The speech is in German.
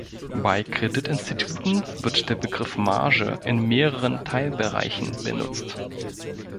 Bei Kreditinstituten wird der Begriff Marge in mehreren Teilbereichen benutzt.